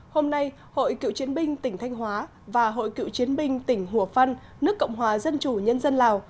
hôm nay hội cựu chiến binh tỉnh thanh hóa và hội cựu chiến binh tỉnh hùa phân nước cộng hòa dân chủ nhân dân lào